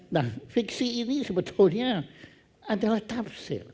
nah fiksi ini sebetulnya adalah tafsir